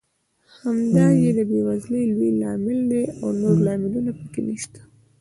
همدا یې د بېوزلۍ لوی لامل دی او نور لاملونه پکې نشته.